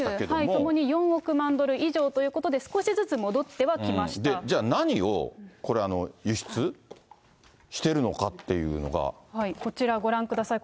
ともに４億万ドル以上ということで、少しずつ戻ってはきましじゃあ何を、これ、こちらご覧ください。